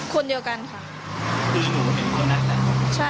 คนเดียวกันค่ะ